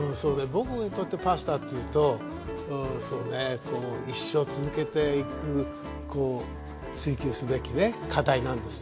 僕にとってパスタっていうとそうね一生続けていく追求すべきね課題なんですよ。